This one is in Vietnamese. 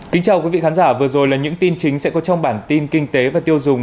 kính chào quý vị khán giả vừa rồi là những tin chính sẽ có trong bản tin kinh tế và tiêu dùng